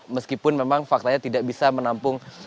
meskipun memang faktanya tidak bisa menampung